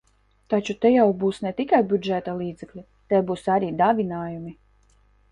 Taču te jau būs ne tikai budžeta līdzekļi, te būs arī dāvinājumi.